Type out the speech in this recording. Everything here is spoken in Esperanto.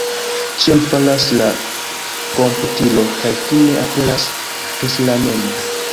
Ĉion faras la komputilo kaj fine aperas preslameno.